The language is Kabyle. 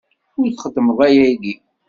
Ur txeddmeḍ ayagi!